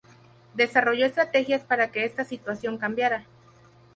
Desarrolló estrategias para que esta situación cambiara.